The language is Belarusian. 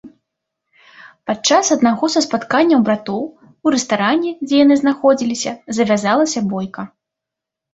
Падчас аднаго са спатканняў братоў у рэстаране, дзе яны знаходзіліся, завязалася бойка.